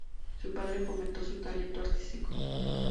Su padre fomentó su talento artístico.